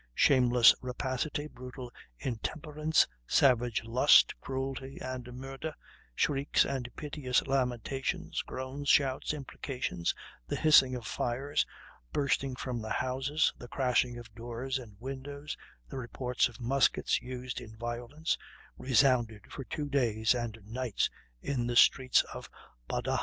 Shameless rapacity, brutal intemperance, savage lust, cruelty and murder, shrieks and piteous lamentations, groans, shouts, imprecations, the hissing of fires bursting from the houses, the crashing of doors and windows, the reports of muskets used in violence, resounded for two days and nights in the streets of Badajos.